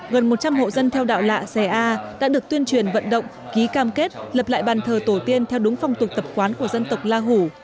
gần một trăm linh hộ dân theo đạo lạ xe a đã được tuyên truyền vận động ký cam kết lập lại bàn thờ tổ tiên theo đúng phong tục tập quán của dân tộc la hủ